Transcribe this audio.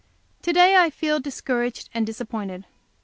To day I feel discouraged and disappointed.